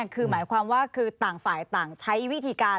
คือหมายความว่าคือต่างฝ่ายต่างใช้วิธีการ